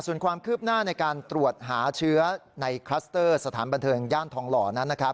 ส่วนความคืบหน้าในการตรวจหาเชื้อในคลัสเตอร์สถานบันเทิงย่านทองหล่อนั้นนะครับ